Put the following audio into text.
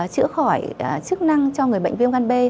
chữa khỏi chức năng cho người bệnh viêm gan b